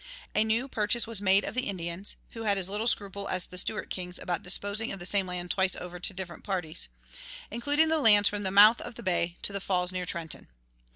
A new purchase was made of the Indians (who had as little scruple as the Stuart kings about disposing of the same land twice over to different parties), including the lands from the mouth of the bay to the falls near Trenton.